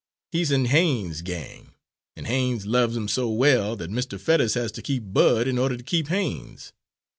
He's in Haines's gang, and Haines loves him so well that Mr. Fetters has to keep Bud in order to keep Haines.